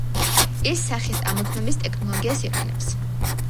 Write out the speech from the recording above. ის სახის ამოცნობის ტექნოლოგიას იყენებს.